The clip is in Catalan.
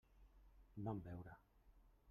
Van beure.